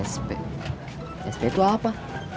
sp sp itu apa